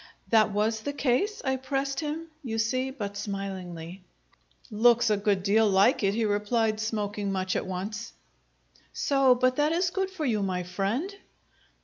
"That was the case?" I pressed him, you see, but smilingly. "Looks a good deal like it," he replied, smoking much at once. "So? But that is good for you, my friend!"